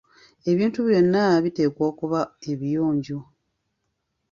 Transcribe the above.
Ebintu byonna biteekwa okuba ebiyonjo.